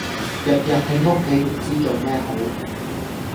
日日喺屋企唔知做咩好